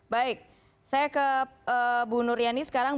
baik saya ke bu nuriani sekarang